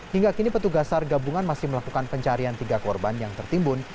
hingga kini petugas sar gabungan masih melakukan pencarian tiga korban yang tertimbun